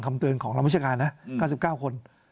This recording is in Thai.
คำเตือนของเราไม่ใช่การนะ๙๙คน